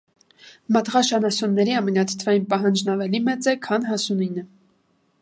Մատղաշ անասունների ամինաթթվային պահանջն ավելի մեծ է, քան հասունինը։